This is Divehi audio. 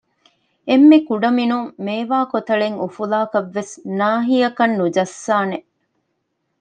އެންމެ ކުޑަމިނުން މޭވާ ކޮތަޅެއް އުފުލާކަށް ވެސް ނާހިއަކަށް ނުޖައްސާނެ